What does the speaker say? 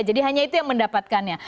jadi hanya itu yang mendapatkannya